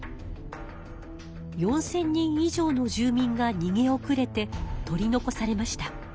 ４，０００人以上の住民がにげおくれて取り残されました。